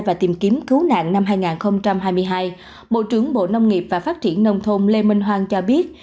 và tìm kiếm cứu nạn năm hai nghìn hai mươi hai bộ trưởng bộ nông nghiệp và phát triển nông thôn lê minh hoàng cho biết